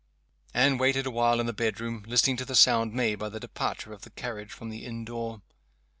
Anne waited a while in the bedroom, listening to the sound made by the departure of the carriage from the inn door.